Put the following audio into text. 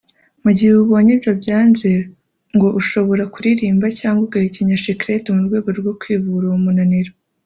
Mu gihe ubonye ibyo byanze ngo ushobora kuririmba cyangwa ugahekenya chicrette mu rwego rwo kwivura uwo munaniro